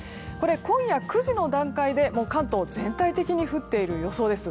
今夜９時の段階で関東全体的に降っている予想です。